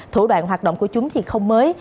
thủ đoạn hoạt động của chúng thì không mới